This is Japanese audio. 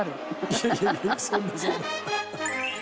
「いやいやいやそんなそんな」